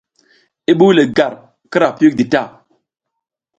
I ɓuw le gar kira piyik di ta.